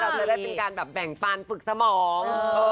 เพราะว่าเราจะได้เป็นการแบ่งปานฝึกสมอง